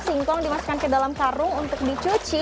singkong dimasukkan ke dalam karung untuk dicuci